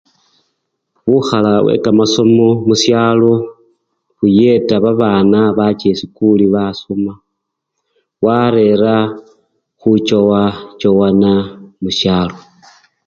Bukhala bwekamasomo musyalo, buyeta babana bacha esikuli basoma barera khuchowachowana khusyalo.